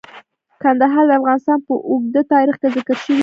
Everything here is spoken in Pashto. کندهار د افغانستان په اوږده تاریخ کې ذکر شوی دی.